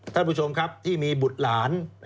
ท่านผู้ชมครับที่มีบุตรหลาน